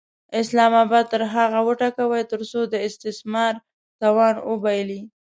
اسلام اباد تر هغو وټکوئ ترڅو د استثمار توان وبایلي.